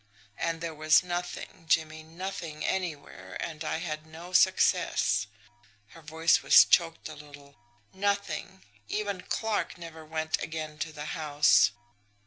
And there was nothing, Jimmie, nothing anywhere, and I had no success" her voice choked a little. "Nothing! Even Clarke never went again to the house.